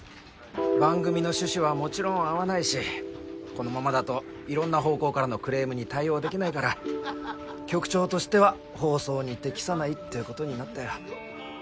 番組の趣旨はもちろん合わないしこのままだといろんな方向からのクレームに対応できないから局長としては放送に適さないっていうことになったよ。